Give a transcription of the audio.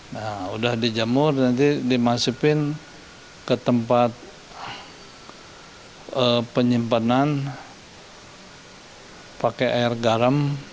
nah udah dijemur nanti dimasukin ke tempat penyimpanan pakai air garam